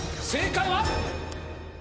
正解は？